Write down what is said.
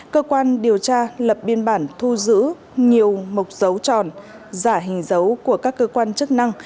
cơ quan điều tra lập biên bản thu giữ nhiều mục dấu tròn giả hình dấu của các cơ quan chức năng